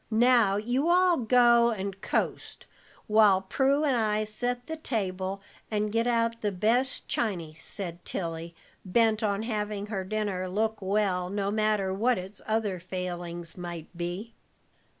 "Now you all go and coast, while Prue and I set the table and get out the best chiny," said Tilly, bent on having her dinner look well, no matter what its other failings might be.